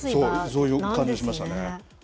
そういう感じしましたね。